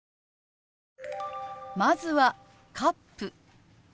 まずは「カップ」。